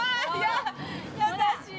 優しい。